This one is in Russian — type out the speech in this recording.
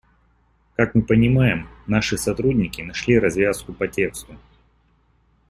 Как мы понимаем, наши сотрудники нашли развязку по тексту.